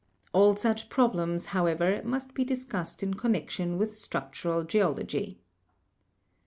All such problems, however, must be discussed in connection with structural geology.